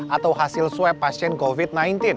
atau hasil swab pasien covid sembilan belas